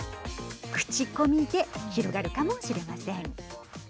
口コミで広がるかもしれません。